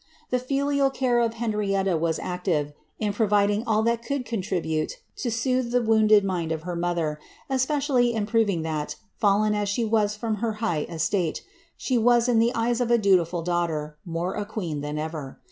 The filial care of Henrietta was active in providing all that could coo tribute to soothe the wounded mind of her mother, especially in proving that, fallen as she was from her high estate, she was, in the eyas of t dutiful daughter, more a queen than ever.